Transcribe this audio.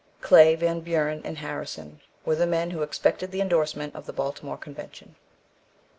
Clay, Van Buren, and Harrison were the men who expected the indorsement of the Baltimore Convention.